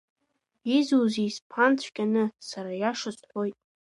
Изузеи сԥан цәгьаны, сара аиаша сҳәоит.